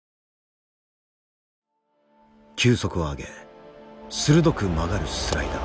球速を上げ鋭く曲がるスライダー。